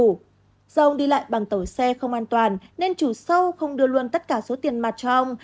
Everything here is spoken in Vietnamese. do ông đi lại bằng tàu xe không an toàn nên chủ sâu không đưa luôn tất cả số tiền mặt cho ông